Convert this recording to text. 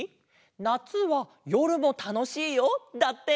「夏はよるもたのしいよ」だって！